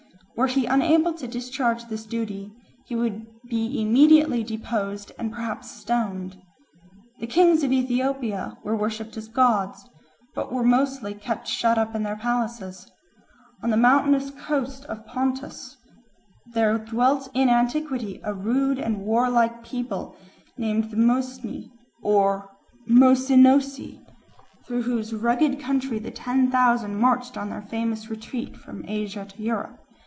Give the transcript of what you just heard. Were he unable to discharge this duty, he would be immediately deposed and perhaps stoned. The kings of Ethiopia were worshipped as gods, but were mostly kept shut up in their palaces. On the mountainous coast of Pontus there dwelt in antiquity a rude and warlike people named the Mosyni or Mosynoeci, through whose rugged country the Ten Thousand marched on their famous retreat from Asia to Europe.